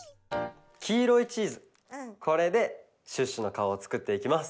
きいろいチーズこれでシュッシュのかおをつくっていきます。